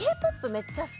めっちゃ好きで。